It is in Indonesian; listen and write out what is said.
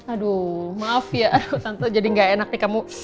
aduh maaf ya tante jadi gak enak nih kamu